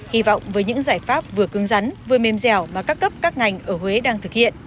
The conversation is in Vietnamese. hy vọng với những giải pháp vừa cưng rắn vừa mềm dẻo mà các cấp các ngành ở huế đang thực hiện